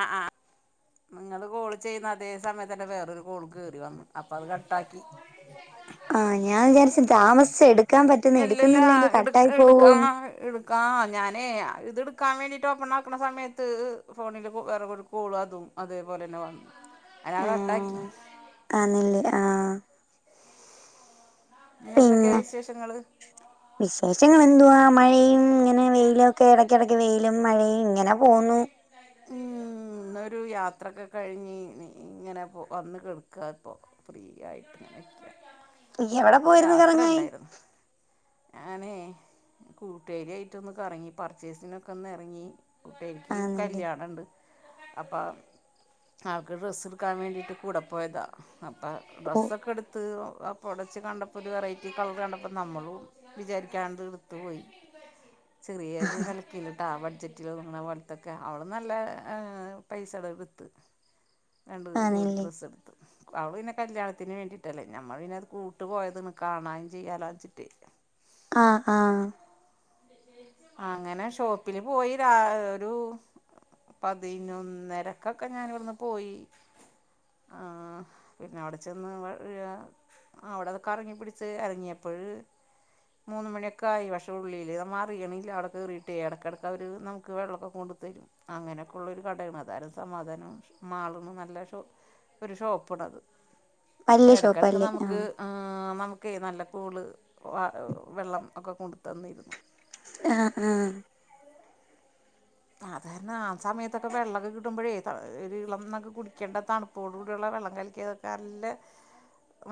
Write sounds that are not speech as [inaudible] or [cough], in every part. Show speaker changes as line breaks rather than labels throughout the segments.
ആഹ് ആഹ് നിങ്ങള് കോള് ചെയ്യുന്ന അതേ സമയത്തന്നെ വേറൊരു കോൾ കേറി വന്നു അപ്പത് കട്ടാക്കി
ആഹ് ഞാൻ വിചാരിച്ച് താമസിച്ച് എടുക്കാൻ പറ്റുന്ന്
ഇല്ലല്ല
എടുക്കുന്നില്ലെങ്കി കട്ടായി പോകോന്ന്
ആഹ് ഞാനേ ഇത് എടുക്കാൻ വേണ്ടിയിട്ട് ഓപ്പൺ ആക്കണ സമയത്ത് ഫോണിൽ വേറെ കോള അതും അതേപോലെന്നോ അത് ഞാൻ കട്ടാക്കി
ആണല്ലേ ആഹ്
പിന്നെ എന്തൊക്കെ വിശേഷങ്ങള്
വിശേഷങ്ങളെന്തുവാ മഴയും ഇങ്ങനെ വെയിലൊക്കെ ഇടയ്ക്കിടക്ക് വെയിലും മഴയും ഇങ്ങനെ പോകുന്നു
ഉം
[unintelligible]
ഇന്നൊരു യാത്രക്കെ കഴിഞ്ഞ് ഇങ്ങനെ വന്ന് കിടക്ക പ്പോ ഫ്രീ ആയിട്ട്ങ്ങനെക്ക
എവിടെ പോയിരുന്നു
യാത്ര
കറങ്ങാൻ
ഇണ്ടായിരുന്നു ഞാനെ കൂട്ടുരിയിട്ടൊന്ന്റങ്ങി പർച്ചേസിനൊക്കെ ഒന്ന് ഇറങ്ങി കുട്ടരിക്ക്
ആന്നില്ലേ
കല്യാണണ്ട് അപ്പം അൾക്ക് ഡ്രസ്സ് ഇട്ക്കാൻ വേണ്ടിയിട്ട് കൂടെ പോയതാ അപ്പം
ഓ
ഡ്രസ്സൊക്കെ എടുത്ത് പടച്ച് കണ്ടപ്പോ ഒരു വെറൈറ്റി കളർ കണ്ടപ്പോ നമ്മളും വിചാരിക്കാണ്ട് എടുത്ത്പോയി ചെറിയാരു [unintelligible] ബഡ്ജറ്റിലൊത്ങ്ങണപോല്ത്തൊക്കെ അവള് നല്ല പൈസടെ എടുത്ത്
[unintelligible]
രണ്ട് ജോഡി
ആന്നില്ലേ
ഡ്രസ്സെടുത്ത് അവള് പിന്ന കല്യാണത്തിന് വേണ്ടീട്ടല്ലേ ഞമ്മൾ പിന്നത് കൂട്ട് പോയത് ന് കാണാം ചെയ്യാലോച്ചിട്ട്
ആഹ് ആഹ്
അങ്ങനെ ഷോപ്പില് പോയി രാ ഒരു പതിനൊന്നരക്കക്കെ ഞാനിവിടുന്ന് പോയി ആ പിന്നെവിടെ ചെന്ന് വഴ ആ അവിടത് കറങ്ങിപ്പിടിച്ച് എറങ്ങിയപ്പഴ് മൂന്ന് മണിയെക്കായി പക്ഷേ ഉള്ളില്മ്മ അറിയണില്ല അടെ കേറീട്ടേ എടക്കെടയ്ക്ക് അവര് നമ്ക്ക് വെള്ളക്കെ കൊണ്ടു തരും അങ്ങനെക്കൊള്ളൊരു കടേണ്. അതാര്ന്ന് സമാധാനം മാളൂണ് നല്ല ഷോ ഒരു ഷോപ്പ്ണത്
വല്യ
എടക്കെടക്ക്
ഷോപ്പല്ലേ
നമ്ക്ക്
ആഹ്
ആ നമുക്കേ നല്ല കൂള് വാ വെള്ളം ഒക്കെ കൊണ്ട്ത്തന്നിരുന്നു
ആഹ് ആഹ്
സാധാരണ ആ സമയത്തൊക്കെ വെള്ളക്കെ കിട്ടുമ്പോഴേ ഒരു ഇളംന്നൊക്കെ കുടിക്കേണ്ട താണ് പ്പോട് കൂടിയുള്ള വെള്ളം കലക്കിയതൊക്കെ നല്ല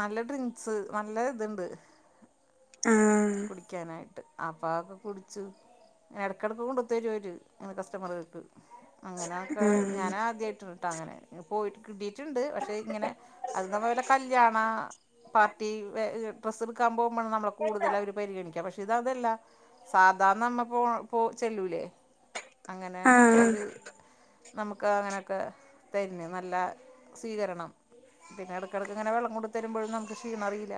നല്ല ഡ്രിങ്ക്സ് നല്ല ഇത്ണ്ട്
ആഹ്
ക്കാനായിട്ട് അപ്പാവക്കെ കുടിച്ചു എടക്കിടത്തോണ്ട് തരുവാവര് ഇങ്ങനെ കസ്റ്റമറ്കൾക്ക് അങ്ങനാക്ക
ആഹ്
ഞാനാദ്യയിട്ട്ട്ടാങ്ങനെ പോയിട്ട് കിട്ട് റ്റ്ണ്ട് പക്ഷേ ഇങ്ങനെ അത് ന പോലെ കല്യാണ പാർട്ടി ട്രസെട്ക്കാൻ പോവ്മ്പഴാ നമ്മള കൂടുതലവര് പരിഗണിക്ക പഷ് ക്ഷിതതല്ല സാധാരണ നമ്മ പോ പോ ചെല്ലൂലേ അങ്ങനെ
ആഹ് ആഹ്
ഒര് നമുക്ക് അങ്ങനെക്കെ തരുന്നെ നല്ല സ്വീകരണം പിന്നെ എടക്കെടക്കിങ്ങനെ വെള്ളം കൊടുത്തരുമ്പോഴും നമുക്ക് ക്ഷീണറിയില്ല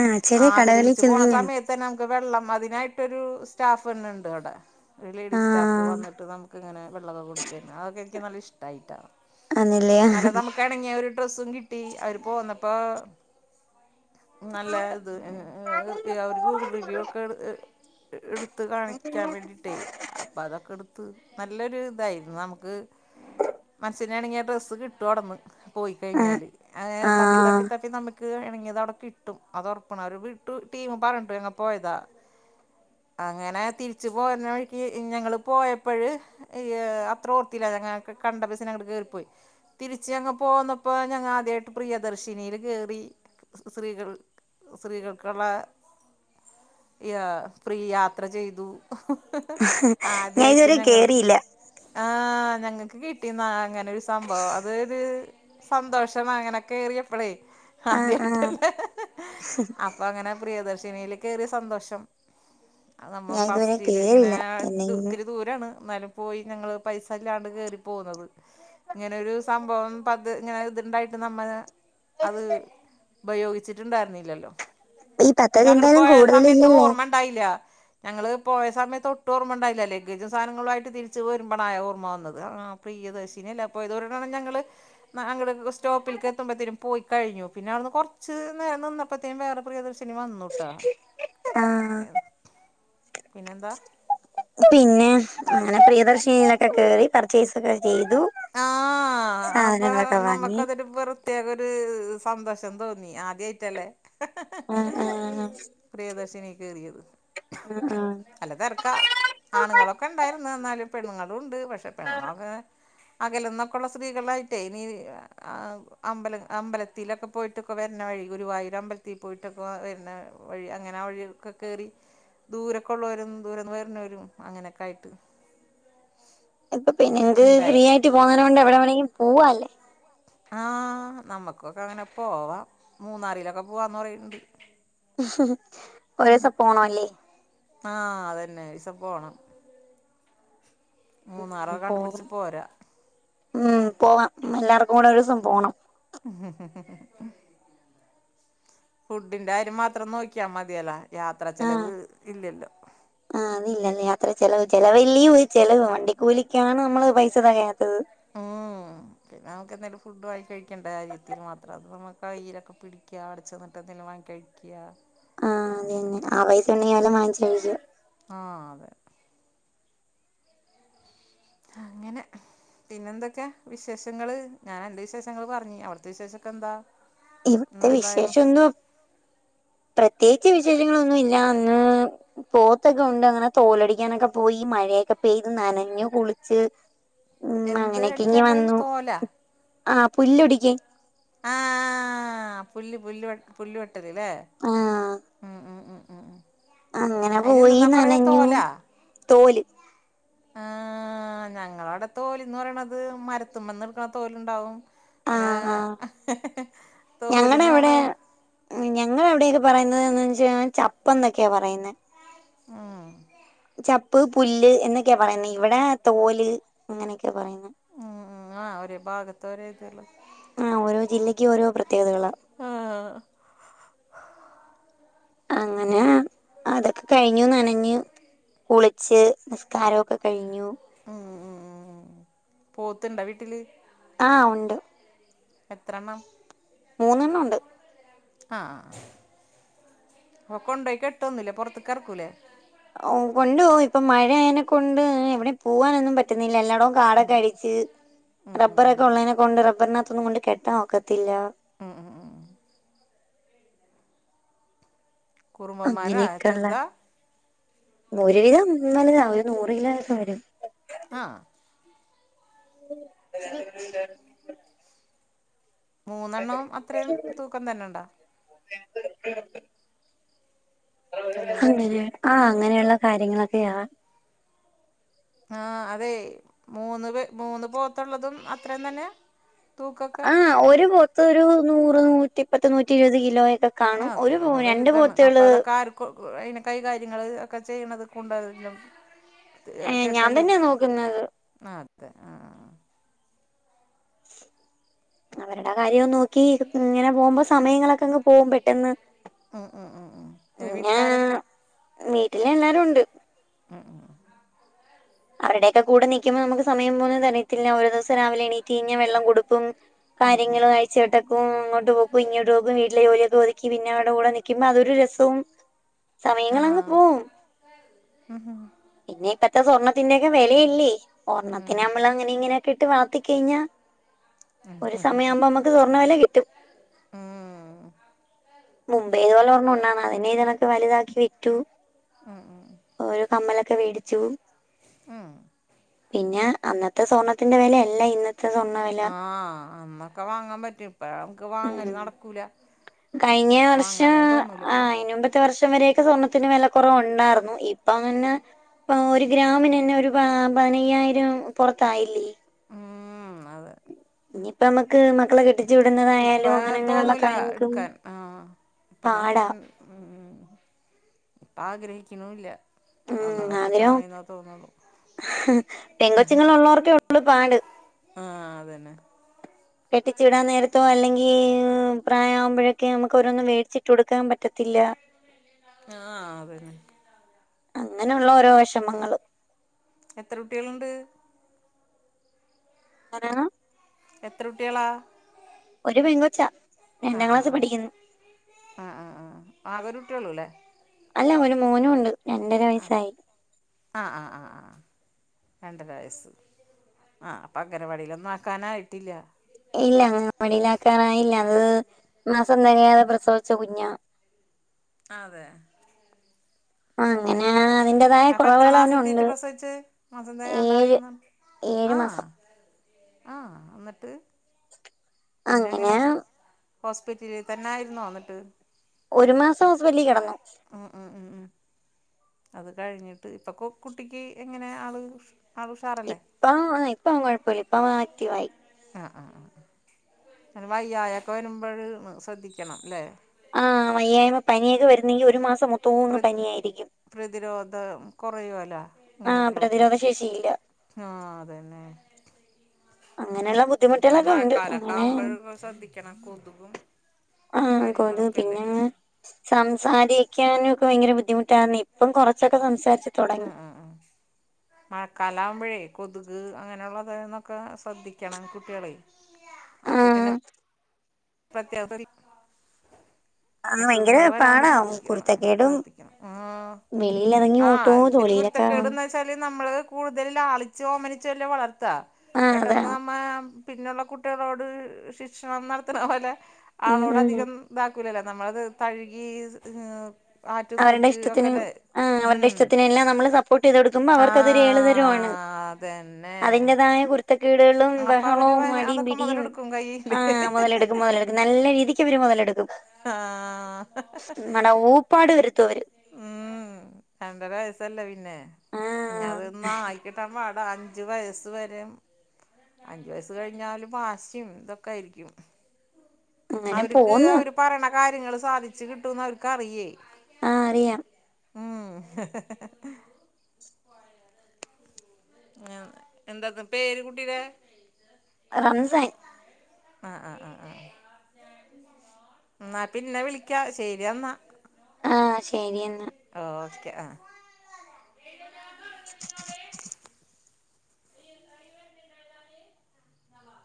ആഹ് ചെല കടകളിൽ
പോണ
ചെന്ന് ഞാൻ
സമയത്ത് തന്നെ നമുക്ക് വെള്ളം അതിനായിട്ടൊരു സ്റ്റാഫ് തന്നെണ്ട് അവിടെ ഒരു ലേഡി സ്റ്റാഫ്
ആഹ്
വന്നിട്ട് നമുക്ക്ങ്ങനെ വെള്ളക്ക കൊടുത്തെര്ന്ന് അതൊക്കെ എനിക്ക് നല്ലിഷ്ടായിട്ടാ
ആന്നല്ലിയോ
കെണങ്ങിയ ഒരു ഡ്രസ്സും കിട്ടി അവര് പോന്നപ്പോ നല്ല [unintelligible] ഒര് ഗൂഗിൾ റിവ്യൂ ഒക്കെ എ എടുത്ത് കാണിക്കാൻ വേണ്ടി ട്ടേ അപ്പ അതൊക്കെടുത്ത് നല്ലൊര് തായിരുന്നു നമുക്ക് മനസ്സിനെണെങ്ങിയ ഡ്രസ്സ് കിട്ടു അടന്ന് പോയി കഴിഞ്ഞാല് ഏ തപ്പി തപ്പി
ആഹ്
തപ്പി നമുക്ക് എണങ്ങിയത് അവിടെ കിട്ടും അതോറപ്പ [unintelligible] എങ്ങ പോയതാ അങ്ങനെ തിരിച്ച് പോരണ വഴി ക്ക് ഞങ്ങള് പോയപ്പഴ് ഈയ അത്ര ഓർത്തില്ല അങ്ങ കി കണ്ട ബസിനങ്ങട്ട് കേറിപ്പോയി തിരിച്ച് ഞങ്ങ പോന്നപ്പ ഞങ്ങ ആദ്യായിട്ട് പ്രിയദർശിനീല് കേറി സ്ത്രീക സ്ത്രീകൾക്കുള്ള ഫ്രീ യാത്ര ചെയ്തു ഹഹഹ
ഞാൻ
ആദ്യായിട്ട്
ഇതുവരെ
ഞങ്ങള്
കേറിയില്ല
ആഹ് ഞങ്ങക്ക് കിട്ടിന്ന അങ്ങനൊരു സംഭവം അതൊര് സന്തോഷം അങ്ങനെ കേറിയപ്പളേ
ആഹ് ആഹ്
ആദ്യായിട്ടല്ലെ
[unintelligible]
അങ്ങനെ പ്രിയദർശിനീല് കേറിയ സന്തോഷം അത് നമ്മ
ഞാൻ ഇതുവരെ
ഫസ്റ്റില് ഇങ്ങനെ
കേറില്ല
ദ്
എന്നെങ്കിലും
ഒത്തിരി ദൂര ണ് എന്നാലും പോയി ഞങ്ങള് പൈസ ഇല്ലാണ്ട് കേറി പോന്നത് ഇങ്ങനെരു സംഭവം പത് ഇങ്ങനെത്ണ്ടായിട്ട് നമ്മ അത് ഉപയോഗിച്ചിട്ടുണ്ടായിരുന്നില്ലല്ലോ
ഈ
പക്ഷെ
പദ്ധതി
അങ്ങട്
എന്തായാലും
പോയ സമയത്ത്
കൂടുതലില്ലല്ലേ
ഓർമ്മണ്ടായില്ല ഞങ്ങള് പോയ സമയത്ത്ൊട്ട ഓർമ്മ ഉണ്ടായില്ല ലഗേജും സാധനങ്ങളും ആയിട്ട് തിരിച്ച് വരുമ്പോാണ് ഓർമ്മ വന്നത് ആ പ്രിയദർശിനിയ അല്ലേ അപ്പൊ ഇതോരാണ് ഞങ്ങള് അങ്ങട് സ്റ്റോപ്പിലേക്ക് എത്തുമ്പഴത്തേനും പോയി കഴിഞ്ഞു പിന്നെ അവിന്ന് കുറച്ച് നിന്നപ്പത്തേക്കു വേറെ പ്രിയദർശിനി വന്നൂട്ടാ
ആഹ്
പിന്നെന്താ
പിന്നെ അങ്ങനെ പ്രിയദർശിനികൊക്കെ കേറി പർച്ചേസ്ക്കെ ചെയ്തു
ആ അപ്പൊ
സാധനങ്ങളൊക്കെ വാങ്ങി
നമ്മക്കതൊരു പ്രത്യേക ഒരു സന്തോഷം തോന്നി ആദ്യമായിട്ടല്ലേ
ആഹ ആഹ
പ്രിയദർശിനി കയറിയത്
ആ ആ
അല്ല തിരക്കാ ആണുങ്ങളൊക്കെ ഉണ്ടായിരുന്നു എന്നാല് പെണ്ണുങ്ങളും ഉണ്ട് പക്ഷെ പെണ്ണുങ്ങളൊക്കെ അകലന്നൊക്കെയുള്ള സ്ത്രീകളായിട്ടേ ഇനി ആ അമ്പലം അമ്പലത്തിൽൊക്കെ പോയിട്ടൊക്കെ വരുന്ന വഴി കുര് വായരം അമ്പലത്തിൽ പോയിട്ടൊക്കെ വരുന്ന വഴി അങ്ങനെ ആ വഴിയൊക്കെ കയറി ദൂരമൊക്കെ ഉള്ളവരും ദൂരന്ന് വറിുന്നവരും അങ്ങനെയൊക്കെ ആയിട്ട്
ഇപ്പൊ പിന്നെ എന്ത് ഫ്രീ
ഉണ്ടായി
ആയിട്ട് പോകുന്ന കൊണ്ട് എവിടെ വേണമെങ്കിലും പോവാ അല്ലേ
ആഹ് നമ്മുക്കൊക്കെ അങ്ങനെ പോവാം മൂന്നാറിയിലൊക്കെ പോവാന്ന് പറയണ്ട്
ഒരിസിം പോണല്ലേ
ആഹ അതന്നെ ഒരിസ പോണം
ഉ
മൂന്നാറൊക്കെ
പോകണം
കണ്ടുപിടിച്ച് പോരാ
ഉം പോവാാം എല്ലാർക്കും കൂടെ ഒരു ദിവസം പോണം
മ്മ്ഹ് മ്മ്ഹ് ഫുഡിന്റെ കാര്യം മാത്രം നോക്കിയാ മതിയല്ല യാത്ര ചെലവ് ഇല്ലല്ലോ
ആഹ അല്ലല്ല യാത്ര ചെലവ് ചെലവലിയ ചെലവ് വണ്ടിക്കൂലിക്കാണ് നമ്മള് പൈസ തെകയാത്തത്
മ്മ് പിന്നെ നമുക്ക് എന്തേലും ഫുഡ് വങ്ങി കഴിക്കണ്ട കാര്യത്തിൽ മാത്രം അത് നമുക്ക് കൈലൊക്ക പിടിക്കുക അവിടെ ചെന്നിട്ട് എന്തെങ്കിലും വാങ്ങി കഴി കാം
ആഹ അതന്നെ ആ പൈസ ഉണ്ടെങ്കി വല്ല വങ്ങിച്ച കഴികാം
ആഹ അതെ അങ്ങനെ പിന്നെ എന്തൊക്കെയാ വിശേഷങ്ങള് ഞാൻ എന്റെ വിശേഷങ്ങള് പറഞ്ഞ അവിടത്തെ വിശേഷൊക്കെ എന്താ
ഇവിത്തെ
ഇന്നെന്തായിരുന്നു സ്-
വിശേഷൊന്നും പ്രത്യേകിച്ച് വിശേഷങ്ങളൊന്നും ഇല്ല അന്ന് പോത്തൊക്കെ ഉണ്ട് അങ്ങനെ തോലൊടിക്കാനൊക്കെ പോയി മഴയൊക്കെ പെയ്ത് നനഞ്ഞു കുളിച്ച് മ്മ്
എന്ത്
അങ്ങനെയൊക്കെ ഇങ്ങ്
അടിക്കാൻ പോയത്
വന്നു
തോല
ആ പുല്ലൊടിക്ക്
ആ പുല്ല് പുല്ല് പുല്ല് വെട്ടല് ലെ
ആഹ്
മ് മ് മ് മ്
അങ്ങനെ
അയിന്
പോയി
എന്തെന്നാ പറയാ
നനഞ്ഞു
തോല
തോല്
ആഹ ആ് ഞങ്ങളെ അവിടെ തോല്ന്ന് പറയണത് മരത്തുമ്മന്ന് എടുക്കണ തോലുണ്ടാവും പിന്നെ
ആഹ് ആഹ്
ഹ് ഹ്
ഞങ്ങടെ അവിടെ
തോഹോലന്നണ്
ഞങ്ങളെ അവിടെയൊക്കെ പറയുന്നത് എന്ന് വെച്ചാൽ ചപ്പം എന്നൊക്കെയാ പറയുന്നത്
മ്മ്
പ്പ് പുല്ല് എന്നൊക്കെയാ പറയുന്നേ ഇവിടെ തോല് അങ്ങനെയൊക്കെ പറയുന്നേ
ഉം ഉം ആഹ് ഓരോ ഭാഗത്ത് ഓരോ ഇതല്ലേ
മ് ഓരോ ജില്ലയ്ക്ക് ഓരോ പ്രത്യേകതകളാണ്
ആഹ്
അങ്ങനെ അതൊക്കെ കഴിഞ്ഞു നനഞ്ഞു കുളിച്ച് നിസ്കാരൊക്കെ കഴിഞ്ഞു
ആഹ് ആഹ് പോത്ത് ണ്ടോ വീട്ടില്
ആഹ് ഉണ്ട്
എത്രണ്ണം
മൂന്നെണ്ണം ഉണ്ട്
ആഹ് കൊണ്ടോയി കെട്ടൊന്നില്ല പോർത്തക്ക ഇറക്കൂലേ
ഓ കൊണ്ട് പോവും ഇപ്പൊ മഴയതിനെ കൊണ്ട് എവിടെ പോവാനൊന്നും പറ്റുന്നില്ല എല്ലാടോ കാടൊക്കെ അടിച്ച്
ഉം ഉം ഉം
റബ്ബറൊക്കെ ഉള്ളതിനനെ കൊണ്ട് റബ്ബറിനകത്തൊന്നും കൊണ്ട് കെട്ടാൻ ഒക്കത്തില്ല
ആഹ് ആഹ് കുറുമ്പന്മാരാ
അങ്ങനെയൊക്കെയള്ള
ചെറുതാ
ഒരുവിധം ഇന്നലെ രാവിലെ ഒരു നൂറ് ഗ്രാം ഒക്കെ വരും
ആഹ്
[inaudible]
മൂന്നെണ്ണവും അത്രയും തൂക്കം തന്നെ ഉണ്ടോ
അ
ഹലോ
അങ്ങനെ ആഹ് അങ്ങനെയുള്ള കാര്യങ്ങളൊക്കെയാണ്
ആഹ് അതെ മൂന്ന് മൂന്ന് പോത്തുള്ളതും അത്രയും തന്നെ തൂക്കൊക്കെ
ആഹ് ഒരു പോത്ത് ഒരു നൂറ് നൂറ്റി ഇപ്പത്തി നൂറ്റി ഇരുപത് കിലോയൊക്കെ കാണും ഒരു രണ്ട് പോത്തുകള്
അയിതിന കൈകാര്യങ്ങൾ ഒക്കെ ചെയ്യണത് കൊണ്ടും
ഏ ഞാൻ
കെട്ടലും
തന്നെയാ നോക്കുന്നത്
ആതെ ആഹ്
[inaudible] അവരുടെ കാര്യം നോക്കി ഇങ്ങനെ പോകുമ്പോ സമയങ്ങളൊക്കെ അങ്ങ് പോകും പെട്ടെന്ന്
ഉമ് ഉമ് ഉമ് ഏഹ് വീട്ടിലാരൊക്കെ
വീട്ടിൽ എല്ലാരും ഉണ്ട്
ഉമ്
അവരുടെയക്ക കൂടെ നിക്കുമ്പോ നമുക്ക് സമയം പോവുന്നത് അറിയത്തില്ല ഒരു ദിവസം രാവില എണീ തീഞ്ഞ വെള്ളം കൊടുപ്പും
ഉം ഉം
കാര്യങ്ങളുംയി ചേട്ടക്കും ഇങ്ങോട്ട് പോക്ക ഇങ്ങോട്ട് പോക്കും വീട്ടില ജോലിയൊക്കെ ഒതുക്കി പിന്നെവിടെ കൂടെ നിൽക്കുമ്പോ അതൊ ഒരു രസവും സമയങ്ങളങ്ങ്
ആഹ്
പോവും
ഉം ഉം
പിന്നെ ഇപ്പഴത്തെ സ്വർണത്തിന്റെ ഒക്കെ വിലയില്ലേ ഒർണത്തിന്
ഉം
നമ്മൾ അങ്ങനെ ഇങ്ങനെയൊക്കെ ഇട്ട് വളർത്തി കഴിഞ്ഞ ഒരു സമയ ആവുമ്പോ നമുക്ക് സ്വർണ്ണ വില കിട്ടും
ആഹ്
മുംപൈ ഇത്പലെ ഒരെണ്ണം ഉണ്ടന്ന അതിനെ ഇതൊക്കെ വലുതാക്കി വിറ്റു
ഉമ് ഉമ്
ഓരോ കമ്മലൊക്കെ മേടിച്ചു
ഉമ്
പിന്നെ അന്നത്തെ സ്വർണത്തിന്റെ വിലയല്ല ഇന്ന് [unintelligible]
ആഹ് അന്നൊക്കെ വാങ്ങാൻ പറ്റും ഇപ്പ നമക്ക്
ഉം
വാങ്ങല് നടക്കൂല
കഴിഞ്ഞ വർഷം
വാങ്ങാനായി തോന്നൂല ഇപ്പൊ
ആഹ് അയ്ൻ മുമ്പത്തെ വർഷം വരൊക്കെ സ്വർണത്തിന്റെ വില കുറവ ഉണ്ടായിരുന്നു ഇപ്പ പിന്നെ ഇപ്പ ഒരു ഗ്രാമിനന്നെ ഒരു പയ്നയ്യായിരം പുറത്തായില്ലേ
ഉം അതെ
ഇനിയിപ്പൊ നമക്ക് മക്കളെ കെട്ടി
ഇപ്പ
ചൂടുന്നതായാലും അങ്ങനെ അങ്ങനെയുള്ള
തോന്നൂല
കാര്യങ്ങൾക്കും
എടുക്കാൻ
പാടാ
ഉമ് ഉമ് ഇപ്പ ആഗ്രഹിക്ണും ഇല്ല
ഉമ് ആഗ്രഹം പെൻ കൊച്ചുങ്ങള ഉള്ളവർക്കെ ഉള്ളൂ പാട്
ആഹ് അതന്നെ
കെട്ടിച്ചുവിടാൻ നേരത്തോ അല്ലെങ്കിൽ പ്രായം മാവുമ്പോഴൊക്കെ നമുക്ക് ഓരോന്നും മേടിച്ചിട്ട് കൊടുക്കാൻ പറ്റത്തില്ല [inaudible]
ആഹ് അതന്നെ
അങ്ങനെയുള്ള ഓരോ വിഷമങ്ങള്
എത്ര കുട്ട്യാളുണ്ട്
ഹലോ
എത്രട്ടിയേളാ
ഒരു പെൻകൊച്ചാ രണ്ടാം ക്ലാസ് പഠിക്കുന്നു
ആഹ് ആഹ് ആഹ് ആഹ് ആകൊരുട്ടിയൊള്ളുലെ
അല്ല ഒരു മോനൂണ്ട് രണ്ടര വയസ്സായി
ആഹ് ആഹ് ആഹ് ആഹ് ആഹ് രണ്ടര വയസ്സ് ആഹ് അപ്പ അംഗനവാടിലൊന്നും ആക്കാനായിട്ടില്ല
ഇല്ല അംഗനവാടിയിലാക്കാനായില്ല അത് മാസം തെകയാതെ പ്രസവിച്ച കുഞ്ഞാ
അതെ
ആഹ് അങ്ങനെ അതിന്റേതായ
അപ്പ എത്ര
കുറവുകൾ
മാസത്തീട്ട്
അവനുണ്ട്
പ്രസവിച്ച് മാസം
ഏഴ്
തെയാണ്ടയായിരുന്നു
ഏഴു
ആഹ്
മാസം
ആഹ് ന്നട്ട്
അങ്ങനെ
പിന്നെങ്ങനെ ഹോസ്പിറ്റലിൽ തന്നെയായിരുന്നൊ ന്നട്ട്
ഒരു മാസം ഹോസ്പിറ്റലി കിടന്നു
ഉ ഉം ഉം ഉം അത് കഴിഞ്ഞിട്ട് ഇപ്പൊ കുട്ടിക്ക് എങ്ങനെ ആള്
ഇപ്പം ഇപ്പ അവൻ കൊഴപ്പല്ല ഇപ്പ അവൻ ആക്റ്റിവായി
ആഹ് ആഹ് ആഹ് അഹ് ങ്ങനെ വയ്യായൊക്കെ വരുമ്പഴ് ശ്രദ്ധിക്കണം ല്ലേ
ആഹ് വയ്യായ്മ പനിയൊക്കെ വരുന്നെങ്കി ഒരു മാസം
പ്ര
മൊത്തോങ് പനിയായിരിക്കും
പ്രതിരോധം കുറയുവല്ലോ
ആ
ഇങ്ങനെ ഉള്ള
പ്രതിരോധ
കുട്ടികൾക്ക്
ശേഷിയില്ല
ആഹ് അതന്നെ
അങ്ങനെയുള്ള
പ്പ ഈ
ബുദ്ധിമുട്ടുകളൊക്കെ ഉണ്ട്
മഴക്കാലൊക്കെ
അങ്ങനെ
ആവുമ്പഴ് ശ്രദ്ധിക്കണം കൊതുകും
ആഹ് കൊതു
കാര്യങ്ങളൊക്കെ അല്ലേ
പിന്നെ സംസാരിക്കാനുക്കെ ഭയങ്കര ബുദ്ധിമുട്ടാണെ ഇപ്പം കൊറച്ചൊക്കെ സംസാരിച്ചു തുടങ്ങി
മഴക്കാലാവുമ്പഴേ കൊതുക് അങ്ങനെള്ളതേന്നൊക്കെ ശ്രദ്ധിക്കണം കുട്ട്യേള് ആ കുട്ടിനെ
ആഹ്
പ്രത്യേക തൊരി
ആഹ് ഭയങ്കര
അസുഖങ്ങൾ വരാണ്ട്
പാടാ
സൂക്ഷിക്കണം
കുരുത്തക്കേടും
ശ്രദ്ധിക്കണം ആഹ്
വെളിയിലിറങ്ങി
ആ
ഓട്ടോ
ഇത്തിരി കുര്
ജോലിയിലൊക്കെ
ത്തകേടുന്ന ച്ചാല് നമ്മള് കൂടുതൽ ലാളിച്ച് ഓമനിച്ചല്ലേ വളർത്താ
ആഹ് അതാ
പെട്ടെന്ന് നമ്മ പിന്നെള്ള കുട്ടിളോട് ശിക്ഷണം നടത്ത്ണപോലെ
ഉം
ആളോട്
ഉം
അധികം ഇതാക്കൂലല്ലോ നമ്മളത് തഴുകി ആറ്റ്
അവരുടെ
നോറ്റ്
ഇഷ്ടത്തിന്
ഒക്കെല്ലേ
ആഹ് അവരുടെ
ഉം
ഇഷ്ടത്തിന് എല്ലാം നമ്മള് സപ്പോർട്ടെയ്തൊടു തുമ്പ അവർക്കതൊരു ഏള്തരോണ്
ആഹ് അതന്നെ
അതിന്റെതായ കുര് കുരുത്തകേടുകളും
അപ്പൊ അവര്
ബഹളവും
വ-
അടിയും
അതൊക്കെ
പിടിയും
മുതലെടുക്കും കയ്യില്
ആ മുതലെടുക്കും മുതലെടുക്കും നല്ല രീതിക്ക് ക്കെ ഇവര് മൊതലെടുക്കും
ആഹ്
ത്തോര് ത്തോര്
ഉം രണ്ടര വയസല്ലേ പിന്നെ
ആഹ്
ഇഞത് ഒന്ന് ആയിക്കിട്ടാൻ പാടാ അഞ്ച് വയസ്സ് വരേം അഞ്ച് വയസ്സ് കഴിഞ്ഞാല് വാശിം ഇതൊക്കെയിരിക്കും
അങ്ങനെ
അവര്ക്ക്
പോന്ന്
അവര് പറണ കാര്യങ്ങള് സാധിച്ച്കിട്ടൂന്ന് അവർക്കറിയേ
ആഹ് അറിയാം
ഉം എന്താന്നാ പേര് കുട്ടിയിടെ
റംസായ്
ആഹ് ആഹ് ആഹ് ആഹ് ന്നാ പിന്നെ വിളിക്കാ ശരിയന്നാ
ആഹ് ശരിയെന്നാ
ഓക്കെ ആ
[inaudible]
നവ